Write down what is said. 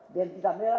dan kita merah